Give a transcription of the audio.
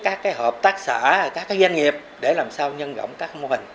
các cái hợp tác sở các cái doanh nghiệp để làm sao nhân gọng các mô hình